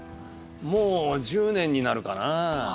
もう１０年になるかな？